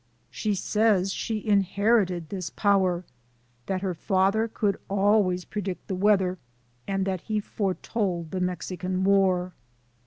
She says she inherited this power, that her father could always predict the weather, and that he foretold the Mexican war.